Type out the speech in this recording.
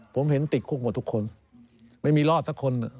ผมเห็นติดคุกหมดทุกคนไม่มีรอดสักคน